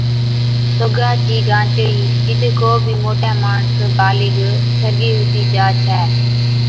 سوگا چِي گانچڙِي، جِڏ ڪو بِي موٽَي ماڻس (بالغ) سرگِي ھُتِي جا ڇَي